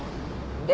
で？